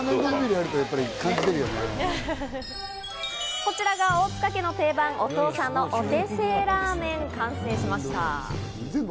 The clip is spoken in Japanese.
こちらが大塚家の定番、お父さんのお手製ラーメン完成しました。